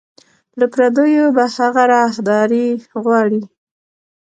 له پردیو به هغه راهداري غواړي